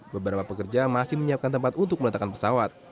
beberapa pekerja masih menyiapkan tempat untuk meletakkan pesawat